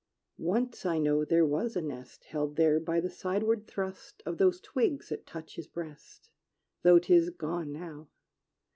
Once, I know, there was a nest, Held there by the sideward thrust Of those twigs that touch his breast; Though 'tis gone now.